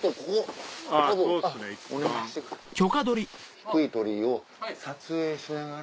低い鳥居を撮影しながら。